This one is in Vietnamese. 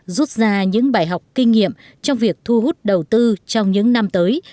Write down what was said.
rút ra những bài học kinh nghiệm trong việc thu hút đầu tư trong những năm tới